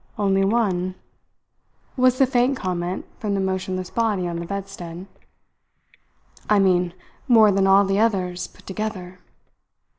"Only one?" was the faint comment from the motionless body on the bedstead. "I mean more than all the others put together."